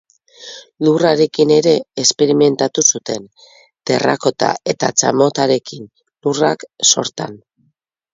Lurrarekin ere esperimentatu zuen, terrakota eta txamotarekin, Lurrak sortan.